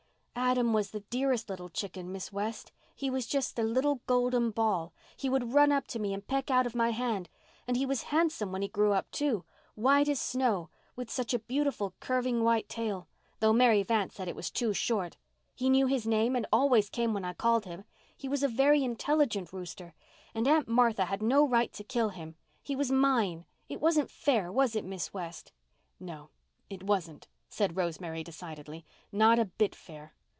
"Adam was the dearest little chicken, Miss West. He was just a little golden ball. He would run up to me and peck out of my hand. And he was handsome when he grew up, too—white as snow, with such a beautiful curving white tail, though Mary Vance said it was too short. He knew his name and always came when I called him—he was a very intelligent rooster. And Aunt Martha had no right to kill him. He was mine. It wasn't fair, was it, Miss West?" "No, it wasn't," said Rosemary decidedly. "Not a bit fair.